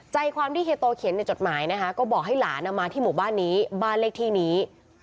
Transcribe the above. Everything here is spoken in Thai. ใจความที่เฮียโตเขียนในจดหมายนะคะก็บอกให้หลานมาที่หมู่บ้านนี้บ้านเลขที่นี้